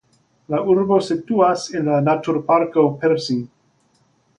La urbo situas en la Naturparko Persin.